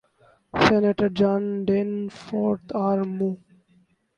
senator John Danforth آر مو